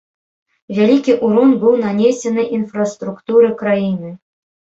Вялікі ўрон быў нанесены інфраструктуры краіны.